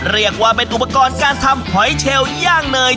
เรียกว่าเป็นอุปกรณ์การทำหอยเชลย่างเนย